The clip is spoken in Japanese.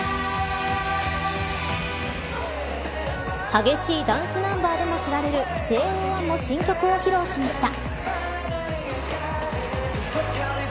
激しいダンスナンバーでも知られるＪＯ１も新曲を披露しました。